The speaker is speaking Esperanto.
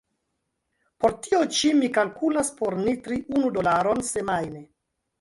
Por tio ĉi mi kalkulas por ni tri unu dolaron semajne.